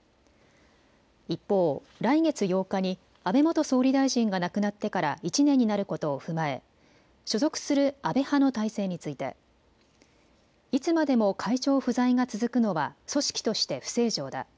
一方、来月８日に安倍元総理大臣が亡くなってから１年になることを踏まえ所属する安倍派の体制についていつまでも会長不在が続くのは組織として不正常だ。